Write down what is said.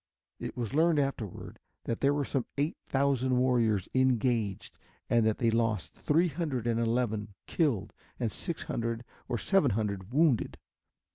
It was learned afterward that there were some eight thousand warriors engaged and that they lost three hundred and eleven killed and six hundred or seven hundred wounded.